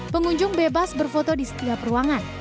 pengunjung bebas berfoto di setiap ruangan